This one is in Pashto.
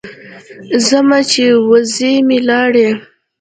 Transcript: ځمه چې وزې مې لاړې.